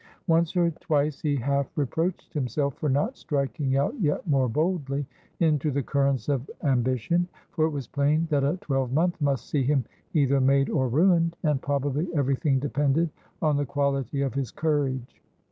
Once or twice he half reproached himself for not striking out yet more boldly into the currents of ambition, for it was plain that a twelvemonth must see him either made or ruined, and probably everything depended on the quality of his courage.